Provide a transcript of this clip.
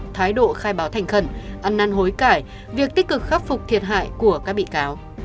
thái độ khai báo thành khẩn ăn năn hối cải việc tích cực khắc phục thiệt hại của các bị cáo